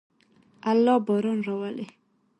الله باران راولي.